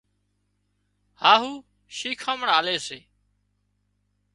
هاهُو شيکامڻ آلي سي